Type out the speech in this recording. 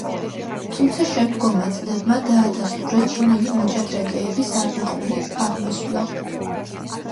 თუმცა შემდგომმა წლებმა დაადასტურა ჩინელი მოჭადრაკეების არნახული აღმასვლა.